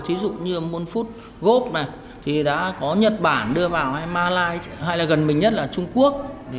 thí dụ như moon food group này thì đã có nhật bản đưa vào hay malay hay là gần mình nhất là trung quốc